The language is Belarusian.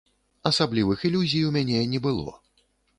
Асаблівых ілюзій у мяне не было.